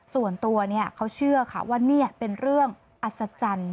ส่วนตัวเขาเชื่อค่ะว่านี่เป็นเรื่องอัศจรรย์